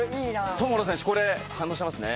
友野選手これ反応してますね。